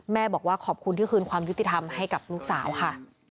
แม่บอกว่าขอบคุณที่คืนความยุติธรรมให้กับลูกสาวค่ะ